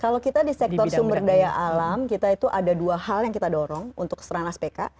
kalau kita di sektor sumber daya alam kita itu ada dua hal yang kita dorong untuk serana spk